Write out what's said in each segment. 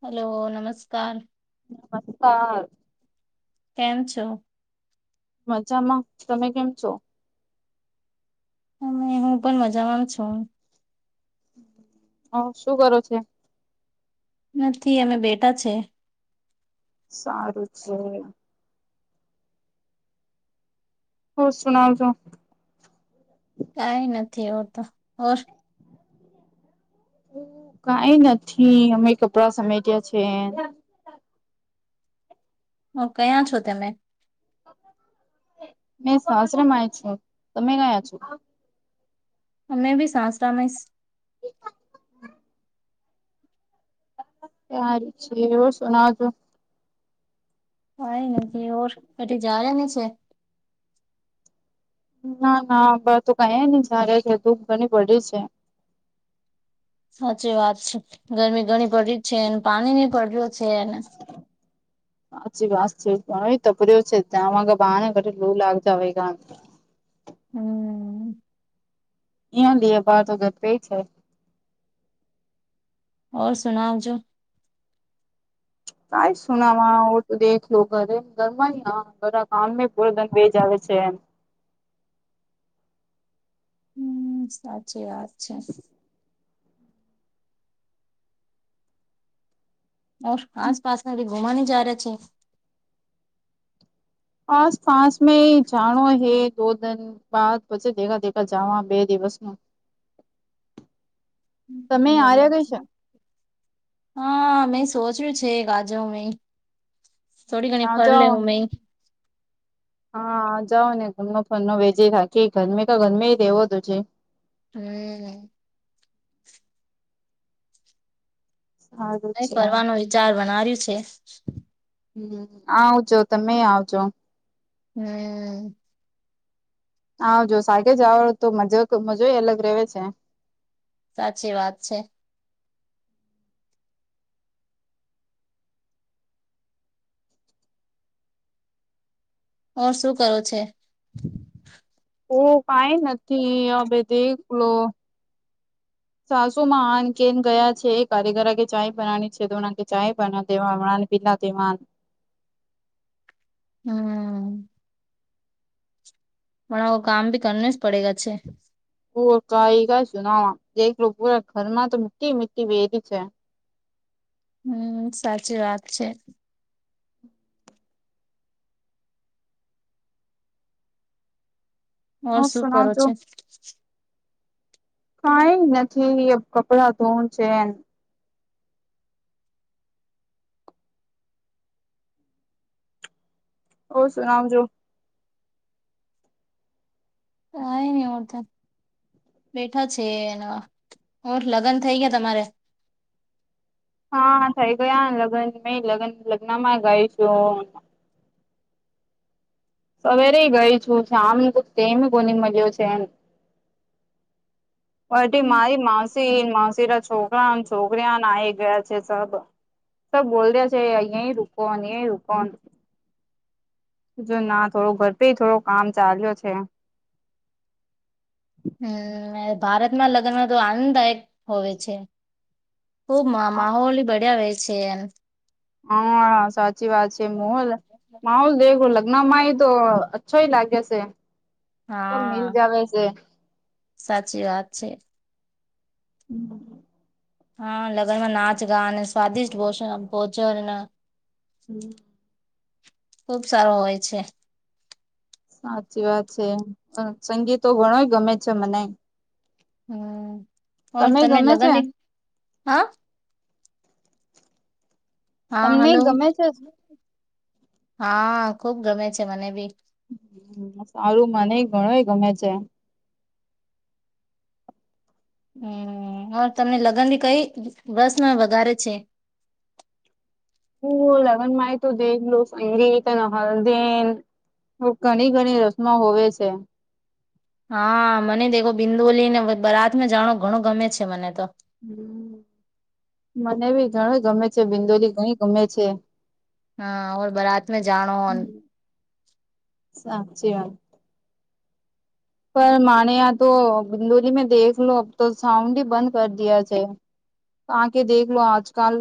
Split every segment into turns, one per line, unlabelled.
હાલો નમસ્કાર
નમસ્કાર.
કેમ છો.
મજામાં તમે કેમ છો.
અમે હું પણ મજામાં છું.
હ શું કરો છે.
નથી અમે બેટા છે.
સારું છે. તો શું [unintelligible] છો
કઈ નથી એવ તો ઓર.
કઈ નથી અમે કપડાં સમેટ્યા છે.
હ કયાં છો તમે.
[inaudible] મેં સાસરે માં છું તમે કયા છો.
અમે ભી સાસરા [unintelligible]
હારુ છે એવું શું ના [unintelligible]
કાંઈ નથી ઔર કટી જવાની છે.
ના ના બ તો કઈ નયા જારે કે દુઃખ ઘણી પડી છે.
સાચી વાત છે ગરમી ઘણી બળી છે ને પાણી નહી પડ્યો છે એને [inaudible]
સાચી વાત છે હવે તો ભર્યું છે ત્યાં વાગ ગા પાણી [unintelligible] લુ લાગતા હોય કા
હમ્મ.
અહીંયા બે ભાગ તો [unintelligible] છે.
ઓર સુનાવ જો.
કાય સુનાવા આવ તો દેખ લો ઘરે ઘરમાં ઘણા બધા કામ મે [unintelligible] બેેજ આવે છે એમ.
હમ સાચી વાત છે. ઓર આસ આસપાાસને ભી ઘુમાવાનીજા રહે છે.
આસપાસ મે જાણો હે દો દન બાદ પછી દેખા દેખા જવા બે દિવસ નો.
[unintelligible] હા મે સોચ્યું છે આજ મે. થોડી ઘણી
આ
પર
જાઓ
લેવ મે
હા જાઓ ને ગરનો ફર નો વેચે રાખે ગરમે કો ગરમે રહેેવો તો છે.
[unintelligible]
સારું
નહિ
છે
ફરવાનો વિચાર બનાર્યું છે.
હમ્મ આવજો તમે આવજો.
હમ્મ.
આવજો સાચે જ આવ તો મજા મજોય અલગ રહેવે છે.
સાચી વાત છે. ઓર શું કરો છે.
ઓ કઈ નથી અ બે દેખ લો
[inaudible]
સાસુમાં આન કેન ગયા છે કારીગર કે ચાય બનાની છે તો બનાકે ચાય બના દેવા [unintelligible] [unintelligible]
હા. પણ આવો કામ બી કરને જ પડેગા છે.
પો કઈ ક સુનાવા એક લોકો પુરા ઘરમાં તો મીઠી મીઠી વેરી છે.
હમ્મ સાચી વાત છે. ઓર
હું
શું કરો
સુનાવજો
છે.
કઈ નથી એ કપડાં ધોવું ન છે. ઓ સુુંનામ જો
હ એ ન આવડતા બેઠા છે. એ હઠ લગ્ન થઇ ગયા તમારે?
હા થઈ ગયાને લગ્ન મે લગન લગ્ન માં ગાઈશું. સવારે ગઈ છું શમ તેમ ગોની મળ્યો છે એમ મારી માસી માસી ના છોકરા છોકરીને આવી ગયા છે સબ. તો બોલ દે છે અહીં રૂકોન એઈ રૂકોન. જો ના થોડું ઘર પે થોડો કામ ચાલ્યો છે.
હમ ભારતમાં લગ્ન તો આનંદદાયક હોવે છે. હબ મામા હોલી બઢ્યા હોય છે એમ
હા સાચી વાત છે માહોલ માહોલ દેખો લ મામાય તો અચ્છોય લાગે છે. સબ મિલ
હા
જાવે છે.
સાચી વાત છે.
હમ,
હા લગનમાં નાચ ગાન, સ્વાદિષ્ટ ભોજન ભોજન,
હમ
ખુબ સારો હોય છે.
સાચી વાત છે સંગીતો ઘણો ગમે છે મને.
હમ હ
તમે
તને
ગમે છે
લગનની હા હા
તમને
હલો?
ગમે છે.
હા ખુબ ગમે છે મને ભી.
સારું મને ગણુ એ ગમે છે.
હમ તમને લગન થી કઈ બસમાં વધારે છે.
હ લગન માહિત દે લોકસ સંગીત ન હલદેન. ઘણી ઘણી રસમા હોવે છે.
હા મને તોખો બિંદુલી ને બરાત માજાણો ઘણું ગમે છે મને તો.
હ મને બી ઘણું ગમે છે બિંદોલી ઘણી ગમે છે
હા બરાત મે જાણો
સાચી વાત. પર માને યા તો બિંદુરી મેં દેખ લો અબતો સાઉન્ડ બંધ કર દીયા છે. તો આ કે દેખલો લો આજ કલ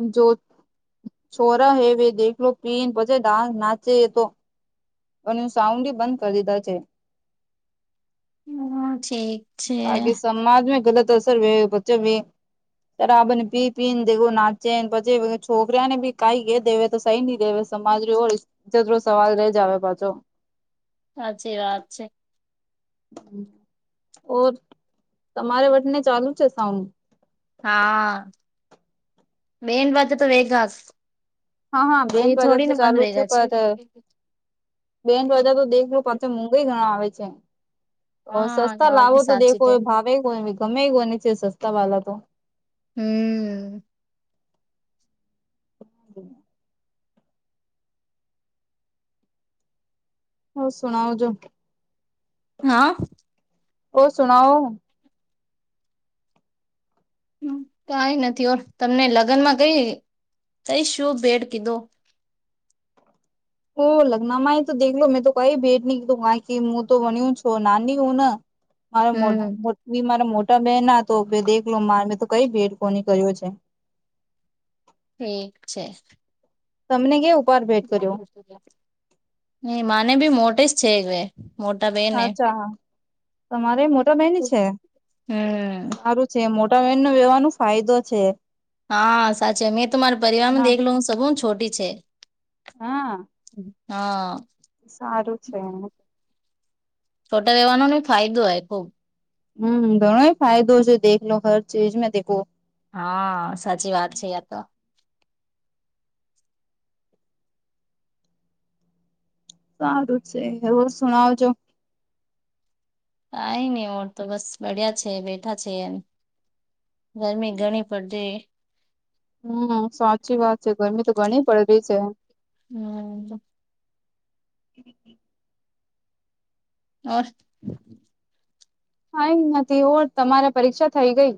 ન જો છોરા હેવે દેખલો પીને પછી ડસ નાચે યેતો, અને સાઉન્ડ બંધ કરી દીધા છે.
હમ ઠીક છે.
આગે સમાજમાં ગલત અસર વ બચ્ચે ભી ત્યારે આપણ પી પી ને દેગું નાચેને પછે છોકરીઓ ને બી કઈ ગે દેવે તો સહી ન દેવે સમાજની ઇજજત નો સવાલ રે જ આવે પાછો.
સાચી વાત છે.
ઓર તમારે વટને ચાલુ છે સાઉન?
હા બેંડવાઝા તો વેગાસ
હા હા બેંડ વાજા તો ચાલુ જ છે પર બેડ વાઝા તો દેખ લો પાછા મુંગઈ ઘણા આવે છે
હા
સસ્તા
યાર
લાવો તો
સાચી
દેખો
તે
ભાવે ગમેને છે સસ્તા વાળ તો,
હમ
હ હ શણાવ છો.
હા?
ઓ સુનાઓ.
હ કઈ નથી ઓ તમને લગ્નમાં કઈ કઈ શું ભેડ કીધો?
ઓહ લગ્ન માાઈ તો દેખલો મેં તો કઈ ભેટ નઈ કિધો મુું તો વનીઓ છો નાની હું મારા મોટ
હમ
મોટની મોટા બહેન તો દેખલો મારે મેં તો કઈ ભેદ કોની કર્યો છે.
ઠીક છે.
તમને કય ઉપાર ભેટ કર્યો
નહી માને ભી મોટિસ છે હવે
અચ્છા તમારે મોટા બેન છે
હમ
સારું છે મોટા વેન નો વેહવાનો ફાયદો છે
હા સાચી મેં તો મારા પરિવાર માં
ના
દેખ લઉ સ છોટી છે
હા
હા.
સારું છે એને
છોટર રહેવાનો નને ફાયદો હોય ખુબ.
હમ ઘણો એ ફાયદો છે દેખલો હર ચીજ દેખો.
હા સાચી વાત છે ય તો
સારું છે હવું શુણાવ જો્
કઈ નહી વર તો બસ બઢિયા છે, બેઠા છે, એમ. ગરમી ઘણી પડતી
હમ સાચી વાત છે, ગરમી તો ઘણી પડ રહી છે.
હમ.
[inaudible]
ઓ
કઈ નથી હો તમારે પરીક્ષા થઈ ગઈ?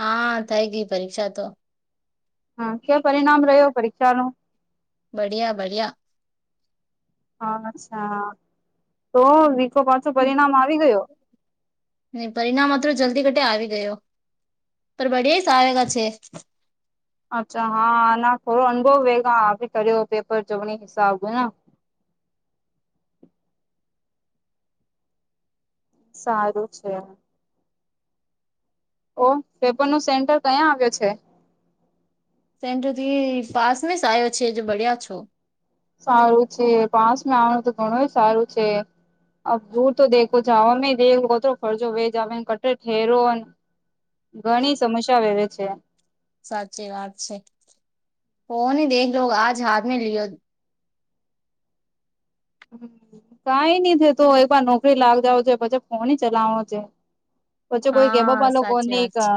હા થઈ ગી પરીક્ષા તો
હા કે પરિણામ રહ્યો પરીક્ષા નું?
બળિયા બળિયા
અચ્છા તો વિકો પાછો પરિણામ આવી ગયો?
ન પરિણામ આત્રો જલ્દી કટે આવી ગયો પર બળિયાઈસ આવેગા છે.
અચ્છા હા ના થોડો અનુભવ વેગા કર્યો પેપર જવાણી હિસાબ સારું છે. ઓ પેપર નું સેન્ટર કયાં આવ્યો છે?
સેન્ટર બી પાસમેસ આવ્યો છે જે બડ્યા છો
સારું છે પાસમાં આવનું તો ઘણું સારું છે. અ રૂર તો દેખો જા અમે દેખ કરો ફરજો વે જ આવે એ કટર ઠેરોને ઘણી સમસ્યા વવે છે.
સાચી વાત છે ઓ નહી દેખ લો આજ હાથ મે લિયો
કઈ નઈ થ તો એક વાર નોકરી લાગ જાવ છે પછી ફોન ચલાવો છે. પછો કોઈ
હા
કેવાપલો કો
સાચી
ની
વાત
ક
છે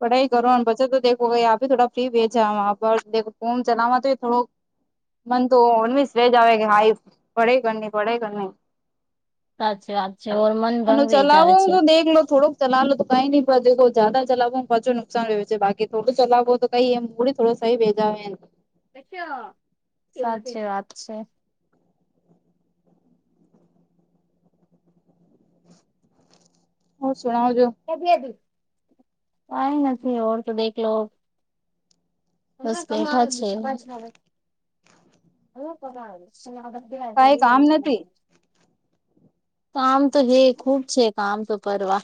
પઢાઈ કરો અને બચ્ચો તો દે આપી થોડા ફ્રી ભે ફમ ચલાવા તો થોડો મન તો ઓનવીસ વેજ આવે કે હાઈ પડે કર ની પડે કર નહી
સાચી વાત છે ઓર મન
અને
ભંગ
ચલાવો
વેચાવે
હું
છે
જો દેખ લો થોડો ચલા લોમ તો કઈ ન પજે જદ ચલાવો પાચો નુકસાન વવે છેે બાકી થોડું ચલાવો તો કઈ એમ મડી થડો સહી ભેજા આવે એ
સાચી વાત છે.
ઓર શણાવ જો
આઈ નથી ઔર તો દેખલો બસ બેઠા છે.
કઈ
[inaudible]
કામ નથી
કામ તો હે ખુબ છે કામ તો કરવા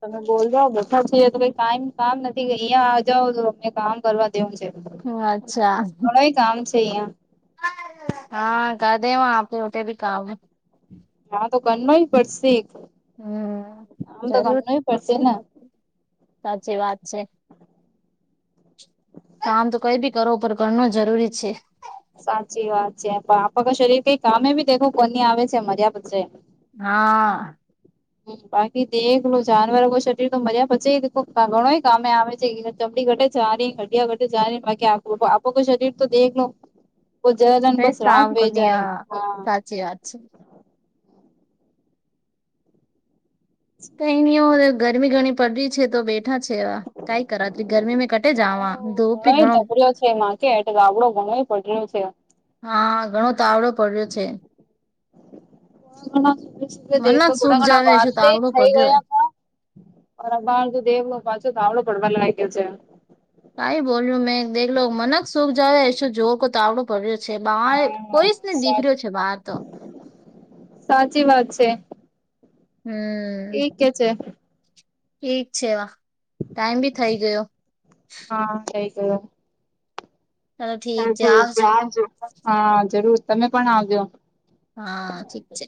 તમે બોલ જાવ બેઠા છી તો કાઈ ક કામ નથી અહિયાં આ જાવો તો અમને કામ કરવા વું છે,
અચ્છા
ઘણય કામ છે, અહિયાં
હા કા દે આપ અટે ભી કામ હે
આ તો કરનોય પડશે
હમ
આમ તો
જરૂર
કરનુંય પડશે ને
સાચી વાત છે. કામ તો કઈ ભી કરો પર કરનુ જરૂરી છે.
સાચી વાત છે પણ આપા શરીર કઈ કામે બી દેખું કોની આવે છે મર્યા પછે
હા.
બાકી દેખલો જાનવર કો શરીર તો મજા પછે ઘણો કામે આવે છે. ચમડી ઘટે ચ રહી હડિયા ઘટટે ચની બાકી આપા કો શરીર તો દેખલો તો જજન બસ રાખ વે જાય હા
જે વાત છે. કઇ ની ઓ ગરમી ઘણી પડ રી છે તો બે ઠા છેવા કઈ કરા અતરી ગરમી મે કટે જા ધૂપી
ઘણોય
ઘણો
તપર્યો છે એમાં એટલે ગાબડો ઘણો પડ્યું છે.
હા ઘણો તાવડો પડ્યો છે.
થોડા ઘણા સુબે સુબે દે
મનક
થોડા
સુખ
ઘણા
જાવે શું
વાદલા
તાવડો
થઈ
પડ્યો
ગયા હતા. ઓર અબાર તું દેવ ન પાછો તાઆવડો પડવા લાગ્યો છે.
કાઈ બોલ્યું મેં દેલો મનક સુખ જાવ એસો જોર કો તાવડો. પડ્યો છે બહર
હા
કોઈસ ને
સાચ
દીખર્યો છે બાહર તો
સાચી વાત છે.
હમ.
ઠિક કે છે.
ઠીક છે વા ટાઈમ બી થઈ ગયો.
હા‌ થઈ ગયો. હા ઠીક છે આવજો, હા જરૂર તમે પણ આવજો.
હા ઠીક છે.